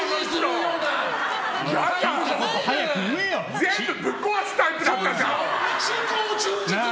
全部ぶっ壊すタイプだったじゃん！